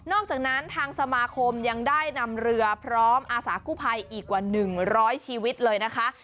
อกจากนั้นทางสมาคมยังได้นำเรือพร้อมอาสากู้ภัยอีกกว่า๑๐๐ชีวิตเลยนะคะ